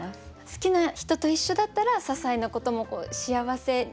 好きな人と一緒だったらささいなことも幸せに感じる。